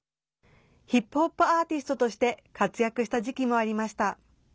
ヒップホップアーティストとして活躍した時期もありました。